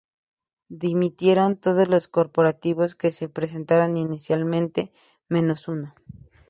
Dimitieron todos los corporativos que se presentaron inicialmente menos uno.